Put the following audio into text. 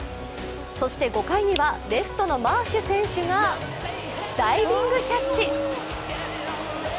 そして５回にはレフトのマーシュ選手がダイビングキャッチ。